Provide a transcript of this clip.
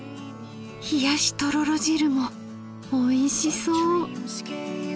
「ひやしとろろ汁」もおいしそう！